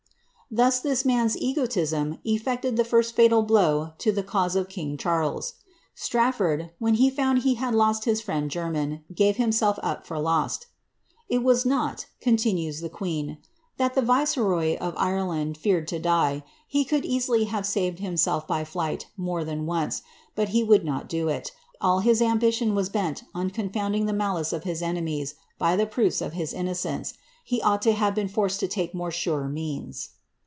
^ Thus this man's egotism eflected the first fatal blow to the cause of king Charles. Strafibrd, when he found he had lost his friend Jermyn, gave himself up for lost. ^ It was not," con tinues the queen, ^ that the viceroy of Ireland feared to die ; he could easily have saved himself by flight more than once, but he would not do it. All his ambition was bent on confounding the malice of his ene mies, by the proofs of his innocence ; he ought to have been forced to take more sure means.''